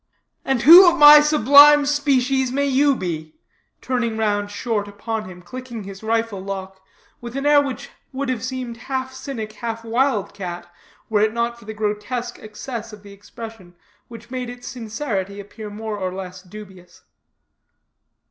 "And who of my sublime species may you be?" turning short round upon him, clicking his rifle lock, with an air which would have seemed half cynic, half wild cat, were it not for the grotesque excess of the expression, which made its sincerity appear more or less dubious.